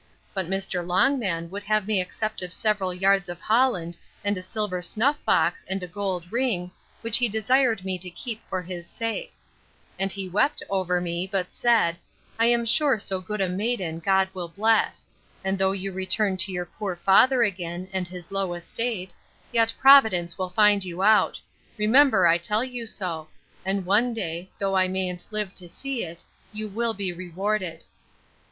But Mr. Longman would have me accept of several yards of Holland, and a silver snuff box, and a gold ring, which he desired me to keep for his sake; and he wept over me; but said, I am sure so good a maiden God will bless; and though you return to your poor father again, and his low estate, yet Providence will find you out: Remember I tell you so; and one day, though I mayn't live to see it, you will be rewarded.